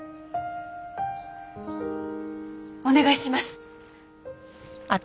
お願いします。